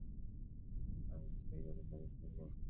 হ্যাঁ আমি গিয়ে বাইরে দাঁড়িয়ে থাকবো।